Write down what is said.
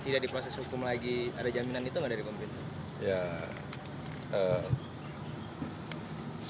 dia di proses hukum lagi ada jaminan itu nggak dari pemerintah